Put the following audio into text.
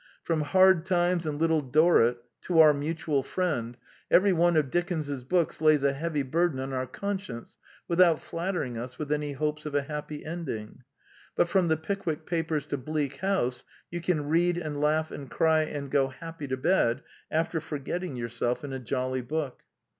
From Hard Times and Little Dorrit to Our Mutual Friend every one of Dickens's books lays a heavy burden on our con science without flattering us with any hopes of a happy ending. But from The Pickwick Papers to Bleak House you can read and laugh and cry and go happy to bed after forgetting yourself in a jolly book.